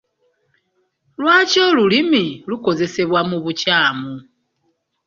Lwaki olulimi lukozesebwa mu bukyamu?